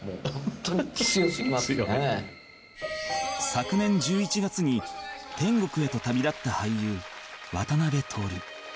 昨年１１月に天国へと旅立った俳優渡辺徹